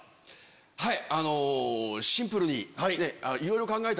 はい！